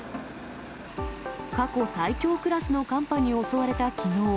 過去最強クラスの寒波に襲われたきのう。